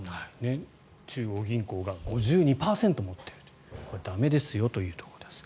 中央銀行が５２％持っているというこれ、駄目ですよというところです。